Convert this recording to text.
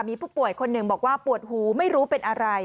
มีผู้ป่วยคนหนึ่งบอกว่าปวดหูไม่รู้เป็นอะไร